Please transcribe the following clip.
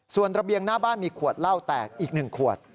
ส่วนระเบียงหน้าบ้านมีขวดเหล้าแตกอีก๑ขวด